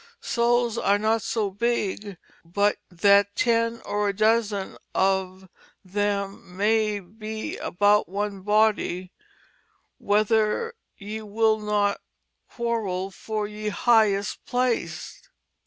Souls are not so big but y^t 10 or a dozen of y^m may be about one body whether yy will not quarrill for y^e highest place."